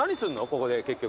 ここで結局。